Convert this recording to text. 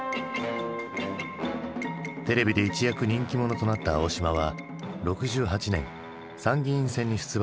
テレビで一躍人気者となった青島は６８年参議院選に出馬し当選。